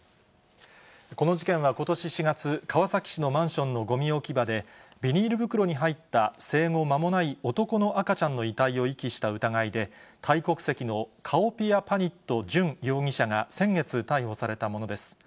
この事件はことし４月、川崎市のマンションのごみ置き場で、ビニール袋に入った生後間もない男の赤ちゃんの遺体を遺棄した疑いで、タイ国籍のカオピアパニット・ジュン容疑者が先月、逮捕されたものです。